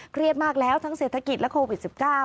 เครียดมากแล้วทั้งเศรษฐกิจและโควิด๑๙